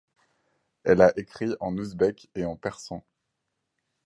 Elle a écrit en ouzbek et en persan.